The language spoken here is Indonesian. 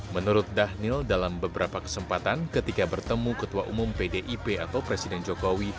menurut dhanil dalam beberapa kesempatan ketika bertemu ketua umum pdip atau presiden jokowi